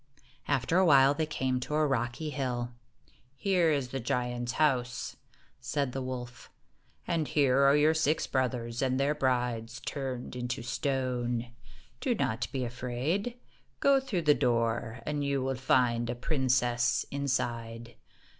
After a while, they came to a rocky hill. "Here is the giant's house," said the wolf, "and here are your six brothers and their brides turned into stone. Do not be afraid. Go through the door, and you will find a princess inside.